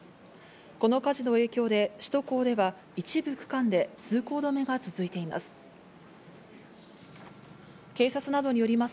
この火事の影響で首都高では一部区間で通行止めが続いています。